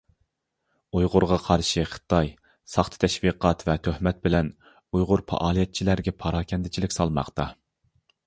ئۇيغۇرغا قارشى خىتاي ساختا تەشۋىقات ۋە تۆھمەت بىلەن ئۇيغۇر پائالىيەتچىلەرگە پاراكەندىچىلىك سالماقتا!